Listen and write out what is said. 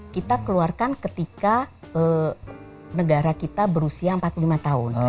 kita keluarkan ketika negara kita berusia empat puluh lima tahun